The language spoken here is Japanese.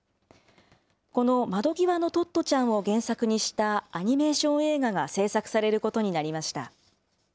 この窓際のトットちゃんを原作にしたアニメーション映画が制作されることになりました。